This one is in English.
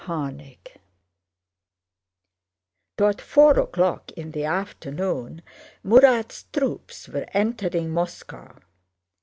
CHAPTER XXVI Toward four o'clock in the afternoon Murat's troops were entering Moscow.